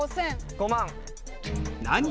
５万。